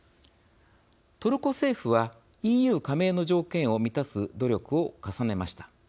トルコ政府はＥＵ加盟の条件を満たす努力を重ねました。